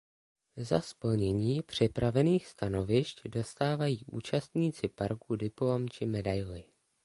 Za splnění připravených stanovišť dostávají účastníci parku diplom či medaili.